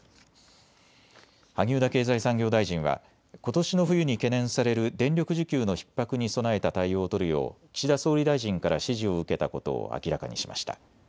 萩生田経済産業大臣はことしの冬に懸念される電力需給のひっ迫に備えた対応を取るよう岸田総理大臣から指示を受けたことを明らかにしました。